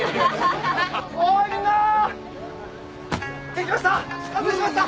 できました！